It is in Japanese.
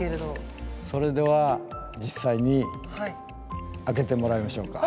それでは実際に開けてもらいましょうか？